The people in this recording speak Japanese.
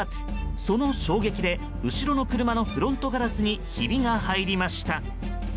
その衝撃で後ろの車のフロントガラスにひびが入りました。